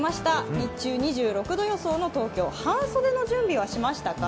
日中２６度予想の東京半袖の準備はしましたか？